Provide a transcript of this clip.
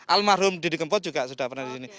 almarhum didi kempot juga sudah pernah disini